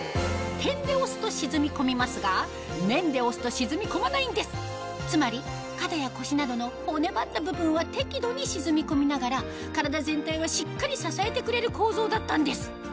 点で押すと沈み込みますが面で押すと沈み込まないんですつまり肩や腰などの骨ばった部分は適度に沈み込みながら体全体はしっかり支えてくれる構造だったんです